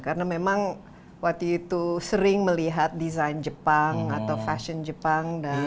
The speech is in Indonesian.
karena memang waktu itu sering melihat desain jepang atau fashion jepang